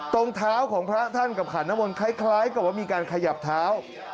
ตรงเท้าของพระท่านกับขันน้ำมนต์คล้ายกับว่ามีการขยับเท้า